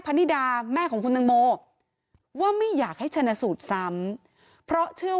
นิดาแม่ของคุณตังโมว่าไม่อยากให้ชนะสูตรซ้ำเพราะเชื่อว่า